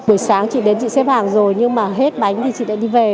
buổi sáng chị đến chị xếp hàng rồi nhưng mà hết bánh thì chị đã đi về